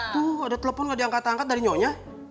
tuh ada telepon gak diangkat angkat dari nyonya